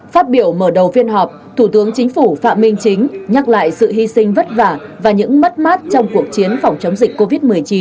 phát biểu mở đầu phiên họp thủ tướng chính phủ phạm minh chính nhắc lại sự hy sinh vất vả và những mất mát trong cuộc chiến phòng chống dịch covid một mươi chín